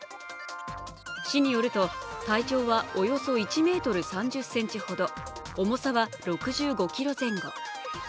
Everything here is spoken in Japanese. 市によると、体長はおよそ１ｍ３０ｃｍほど重さは６５ｋｇ前後。